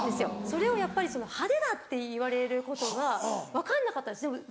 それをやっぱり派手だって言われることが分かんなかったんです。